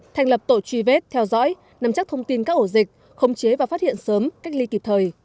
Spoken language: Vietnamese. thành lập tổ truy vết theo dõi nằm chắc thông tin các ổ dịch khống chế và phát hiện sớm cách ly kịp thời